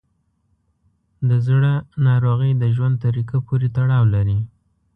د زړه ناروغۍ د ژوند طریقه پورې تړاو لري.